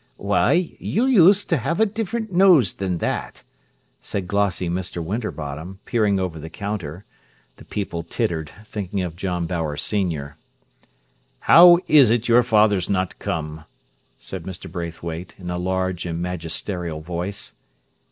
"Why, you used to 'ave a different nose than that," said glossy Mr. Winterbottom, peering over the counter. The people tittered, thinking of John Bower senior. "How is it your father's not come!" said Mr. Braithwaite, in a large and magisterial voice.